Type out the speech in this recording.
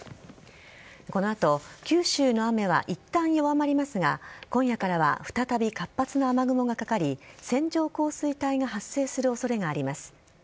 この後、九州の雨はいったん弱まりますが今夜からは再び活発な雨雲がかかり線状降水帯が発生する恐れがあります。